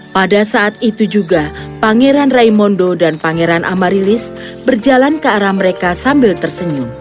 pada saat itu juga pangeran raimondo dan pangeran amarilis berjalan ke arah mereka sambil tersenyum